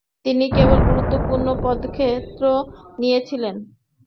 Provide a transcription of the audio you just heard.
তিনি অনেক গুরুত্বপূর্ণ পদক্ষেপ নিয়েছিলেন।